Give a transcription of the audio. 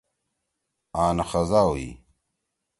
آن خزا ہُوئی۔